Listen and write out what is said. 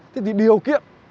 thì điều kiện